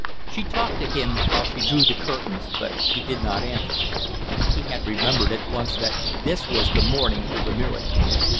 She talked to him while she drew the curtains, but he did not answer; he had remembered at once that this was the morning for the miracle.